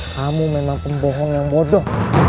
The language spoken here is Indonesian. kamu memang pembohong yang bodoh